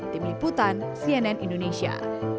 tim liputan cnn indonesia